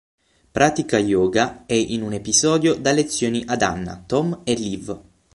Pratica Yoga e in un episodio da lezioni ad Anna, Tom e Liv.